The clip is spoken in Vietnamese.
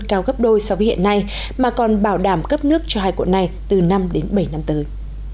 cao gấp đôi so với hiện nay mà còn bảo đảm cấp nước cho hai quận này từ năm đến bảy năm tới